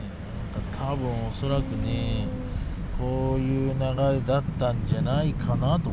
多分恐らくねこういう流れだったんじゃないかなと。